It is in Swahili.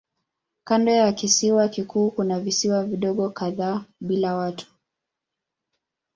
Kando ya kisiwa kikuu kuna visiwa vidogo kadhaa bila watu.